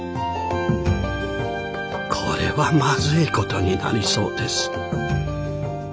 これはまずい事になりそうです。